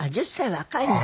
若いの。